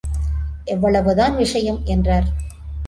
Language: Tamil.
இவ்வளவுதான் விஷயம் என்றார்.